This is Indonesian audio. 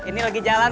ini lagi jalan